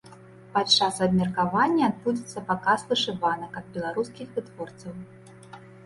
Падчас абмеркавання адбудзецца паказ вышыванак ад беларускіх вытворцаў.